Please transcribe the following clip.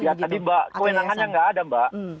ya tadi mbak kewenangannya nggak ada mbak